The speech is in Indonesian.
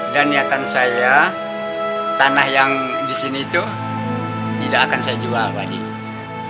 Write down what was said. dan niatan saya tanah yang di sini itu tidak akan saya jual pak juremi